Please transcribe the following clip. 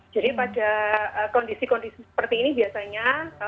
jadi pada kondisi kondisi seperti ini biasanya